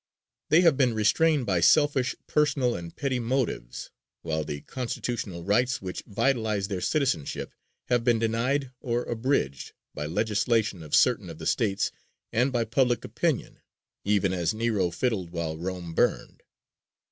They have been restrained by selfish, personal and petty motives, while the constitutional rights which vitalize their citizenship have been "denied or abridged" by legislation of certain of the States and by public opinion, even as Nero fiddled while Rome burned.